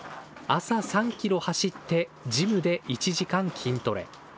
朝３キロ走って、ジムで１時間筋トレ。